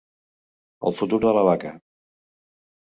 El futur de la vaca.